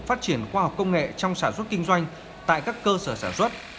phát triển khoa học công nghệ trong sản xuất kinh doanh tại các cơ sở sản xuất